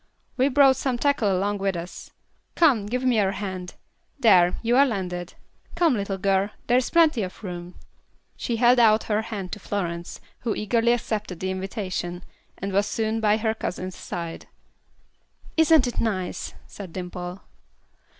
We brought some tackle along with us. Come, give me your hand. There, you are landed. Come, little girl, there is plenty of room." She held out her hand to Florence, who eagerly accepted the invitation, and was soon by her cousin's side. "Isn't it nice?" said Dimple.